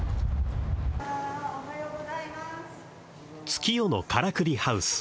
「月夜のからくりハウス